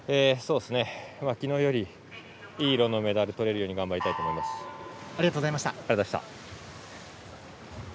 きのうよりいい色のメダルとれるようにありがとうございました。